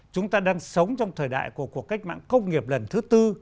chúng ta đang sống trong thời đại của cuộc cách mạng công nghiệp lần thứ tư